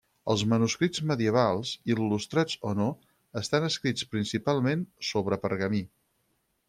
Els manuscrits medievals, il·lustrats o no, estan escrits, principalment, sobre pergamí.